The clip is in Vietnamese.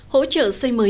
hỗ trợ xây mới